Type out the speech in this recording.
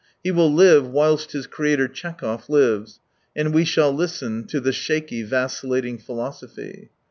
He will live whilst his creator, Tchekhov, lives. And we shall listen to the shaky, vacillating philosophy.